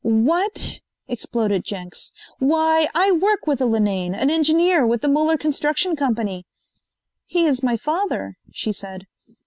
"What?" exploded Jenks. "Why, I work with a Linane, an engineer with the Muller Construction Company." "He is my father," she said.